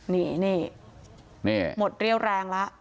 นี่หมดเรี่ยวแรงแล้ว